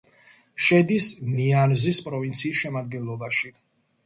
შედის ნიანზის პროვინციის შემადგენლობაში.